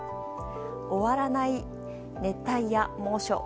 終わらない熱帯夜、猛暑。